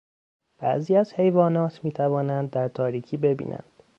بعضی از حیوانات میتوانند در تاریکی ببینند.